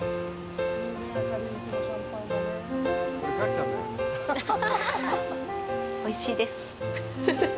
あぁおいしいです。